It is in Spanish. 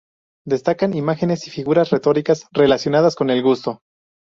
Destacan imágenes y figuras retóricas relacionadas con el gusto.